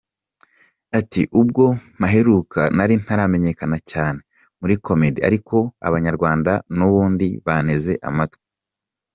Ati “ Ubwo mpaheruka nari ntaramenyekana cyane muri Comedy ariko abanyarwanda n’ubundi banteze amatwi.